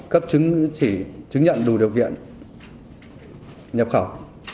cấp chứng nhận đủ điều kiện nhập khẩu